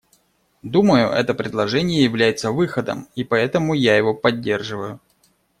Думаю, это предложение является выходом, и поэтому я его поддерживаю.